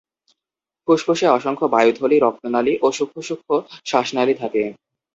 ফুসফুসে অসংখ্য বায়ুথলি, রক্তনালী ও সূক্ষ্ম সূক্ষ্ম শ্বাসনালী থাকে।